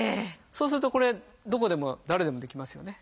そうするとこれどこでも誰でもできますよね。